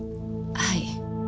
はい。